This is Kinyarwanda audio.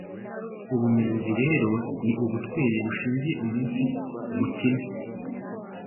Ubumenzi rero ni ubutweri bushingiye umunsi mutime